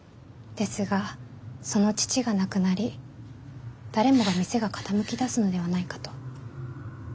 ですがその父が亡くなり誰もが店が傾きだすのではないかと。